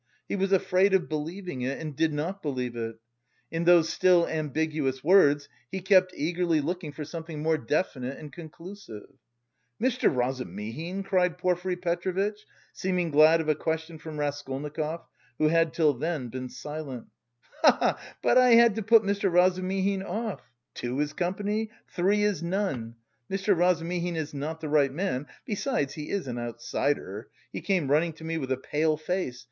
He was afraid of believing it and did not believe it. In those still ambiguous words he kept eagerly looking for something more definite and conclusive. "Mr. Razumihin!" cried Porfiry Petrovitch, seeming glad of a question from Raskolnikov, who had till then been silent. "He he he! But I had to put Mr. Razumihin off; two is company, three is none. Mr. Razumihin is not the right man, besides he is an outsider. He came running to me with a pale face....